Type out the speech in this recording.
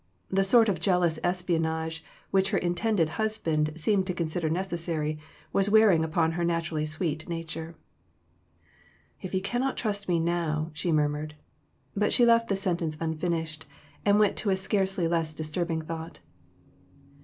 The sort of jealous espionage which her intended husband seemed to consider necessary, was wearing upon her naturally sweet nature. "If he cannot trust me now," she murmured; but she left the sentence unfinished, and went to a scarcely less disturbing thought.